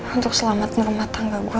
untuk selamat nurma tangga gue